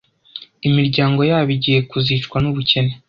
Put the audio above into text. imiryango yabo igiye kuzicwa n’ubukene.